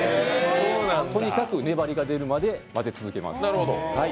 とにかく粘りが出るまで混ぜ続けます。